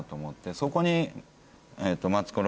そこに。